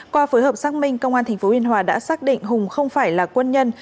qua phối hợp xác minh công an tp biên hòa đã xác định hùng không phải là quân nhân